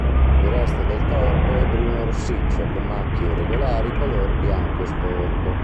Il resto del corpo è bruno-rossiccio con macchie irregolari color bianco sporco.